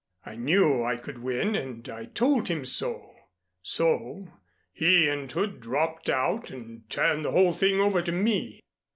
I knew I could win and I told him so. So he and Hood dropped out and turned the whole thing over to me.